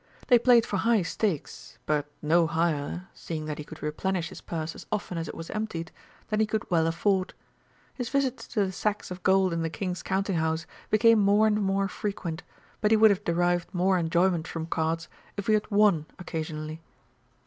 They played for high stakes, but no higher, seeing that he could replenish his purse as often as it was emptied, than he could well afford. His visits to the sacks of gold in the King's Counting house became more and more frequent, but he would have derived more enjoyment from cards if he had won occasionally.